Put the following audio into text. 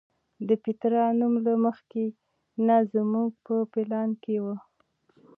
د پیترا نوم له مخکې نه زموږ په پلان کې و.